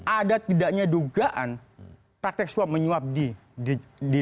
ada tidaknya dugaan praktek swab menyuap di